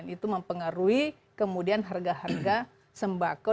itu mempengaruhi kemudian harga harga sembako